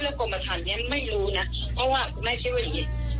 กรมธรรมนี้ไม่รู้นะเพราะว่าคุณแม่คิดว่าอย่างนี้